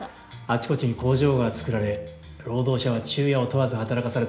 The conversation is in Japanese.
あちこちに工場が作られ労働者は昼夜を問わず働かされた。